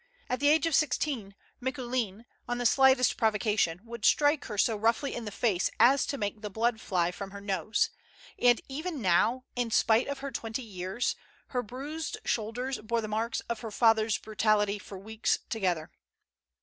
At the age of sixteen, Miccu lin, on the slightest provocation, would strike her so roughly in the face as to make the blood fly from her nose ; and even now, in spite of her twenty years, her bruised shouldei s bore the marks of her father's brutality lor weeks together.